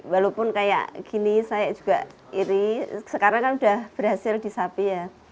walaupun kayak gini saya juga ini sekarang kan sudah berhasil di sapi ya